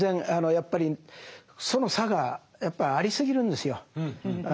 やっぱりその差がやっぱりありすぎるんですよ。